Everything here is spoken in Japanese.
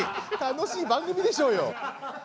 楽しい番組でしょうよ。